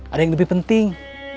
ada yang lebih penting